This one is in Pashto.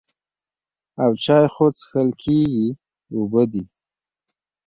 او چای خو څښل کېږي اوبه دي.